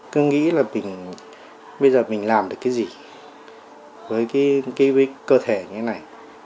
cứ nghĩ là mình bây giờ mình làm được cái gì với cái cơ thể như thế này